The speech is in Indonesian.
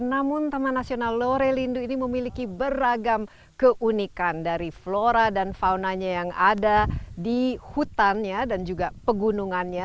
namun taman nasional lorelindu ini memiliki beragam keunikan dari flora dan faunanya yang ada di hutannya dan juga pegunungannya